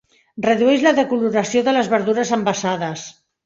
Redueix la decoloració de les verdures envasades.